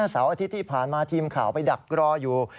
เสาร์อาทิตย์ที่ผ่านมาทีมข่าวไปดักรออยู่